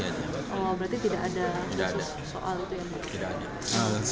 berarti tidak ada soal itu